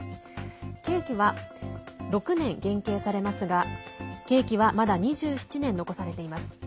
刑期は６年減刑されますが刑期はまだ２７年残されています。